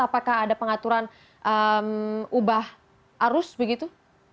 apakah ada pengaturan ubah arus begitu